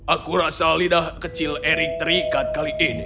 aku rasa lidah kecil erik terikat kali ini